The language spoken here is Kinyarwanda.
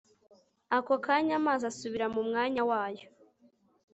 ako kanya amazi asubira mu mwanya wayo